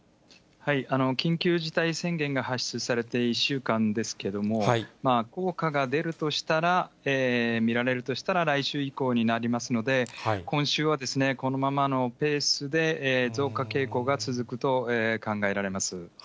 緊急事態宣言が発出されて１週間ですけれども、効果が出るとしたら、見られるとしたら、来週以降になりますので、今週はこのままのペースで増加傾向が続くと考えられます。